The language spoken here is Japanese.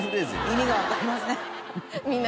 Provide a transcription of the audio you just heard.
意味がわかりません。